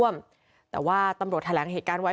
พวกมันต้องกินกันพี่